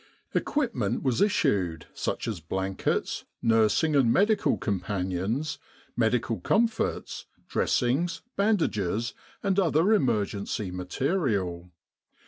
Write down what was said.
Equipment was issued, such as blankets, nursing and medical companions, medical comforts, dressings, bandages, and other emergency material.